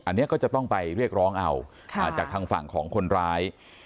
อันนี้ก็จะต้องไปเรียกร้องเอาจากทางฝั่งของคนร้าย